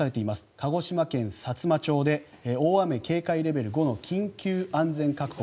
鹿児島県さつま町で大雨警戒レベル５の緊急安全確保